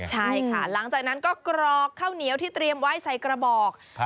ใช่ค่ะหลังจากนั้นก็กรอกข้าวเหนียวที่เตรียมไว้ใส่กระบอก